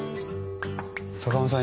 坂間さん